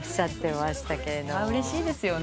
うれしいですよね。